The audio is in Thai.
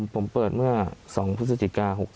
ผมเปิดเมื่อ๒พฤศจิกา๖๖